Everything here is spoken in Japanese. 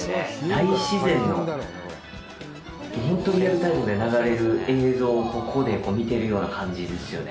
大自然の本当にリアルタイムで流れる映像をここで見てるような感じですよね。